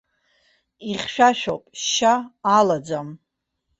Ихьшәашәоуп, шьа алаӡам.